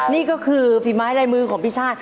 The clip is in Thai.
นี่ก็คือฝีไม้ลายมือของพี่ชาติ